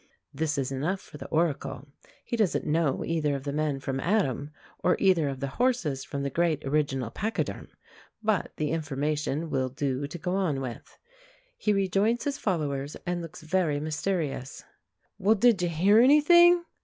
This is enough for the Oracle. He doesn't know either of the men from Adam, or either of the horses from the great original pachyderm, but the information will do to go on with. He rejoins his followers, and looks very mysterious. "Well, did you hear anything?"